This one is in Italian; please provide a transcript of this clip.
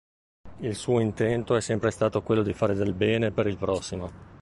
Il suo intento è sempre stato quello di fare del bene per il prossimo.